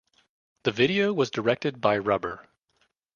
The video was directed by Rubber.